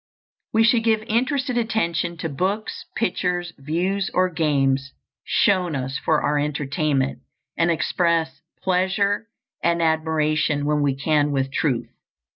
We should give interested attention to books, pictures, views, or games shown us for our entertainment, and express pleasure and admiration when we can with truth.